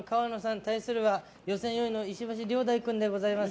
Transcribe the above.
対するは予選４位の石橋遼大君でございます。